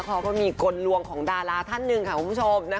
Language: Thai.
เขาก็มีกลลวงของดาราท่านหนึ่งค่ะคุณผู้ชม